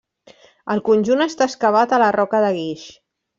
El conjunt està excavat a la roca de guix.